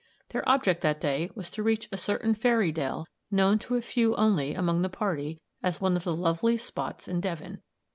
Their object that day was to reach a certain fairy dell known to a few only among the party as one of the loveliest spots in Devon.